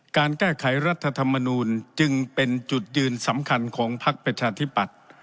การแก้ไขรัฐธรรมนูลจึงเป็นจุดยืนสำคัญของพักประชาธิปัตย์